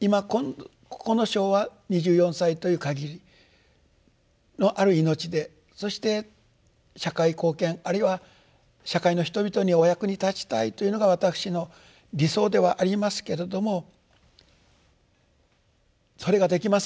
今この生は２４歳という限りのある命でそして社会貢献あるいは社会の人々にお役に立ちたいというのが私の理想ではありますけれどもそれができませんと。